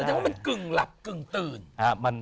แสดงว่ามันกึ่งหลับกึ่งตื่น